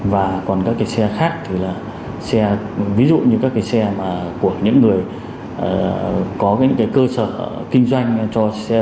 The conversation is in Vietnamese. và còn các cái xe khác thì là xe ví dụ như các cái xe mà của những người có những cái cơ sở kinh doanh cho xe